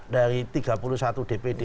dari tiga puluh satu dpd